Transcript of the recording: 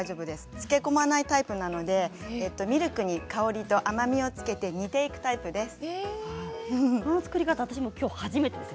つけ込まないタイプなのでミルクに香りと甘みを付けて煮ていくタイプです。